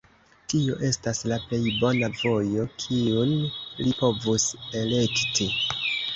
Tio estas la plej bona vojo, kiun li povus elekti.